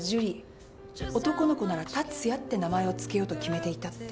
男の子なら「達也」って名前を付けようと決めていたって。